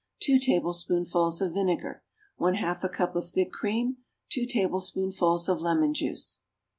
2 tablespoonfuls of vinegar. 1/2 a cup of thick cream. 2 tablespoonfuls of lemon juice.